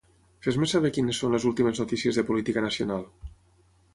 Fes-me saber quines són les últimes notícies de política nacional.